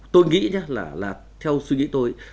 tôi nghĩ nhé theo suy nghĩ tôi